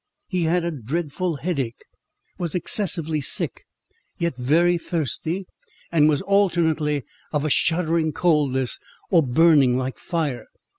He had a dreadful headache, was excessively sick, yet very thirsty, and was alternately of a shuddering coldness, or burning like fire.